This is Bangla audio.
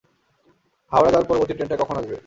হাওড়া যাওয়ার পরবর্তী ট্রেনটা কখন আসবে?